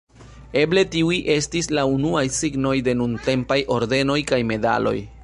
Eble tiuj estis la unuaj signoj de nuntempaj ordenoj kaj medaloj.